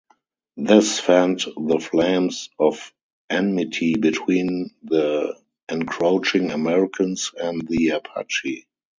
This fanned the flames of enmity between the encroaching Americans and the Apache.